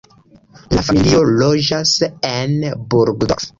La familio loĝas en Burgdorf.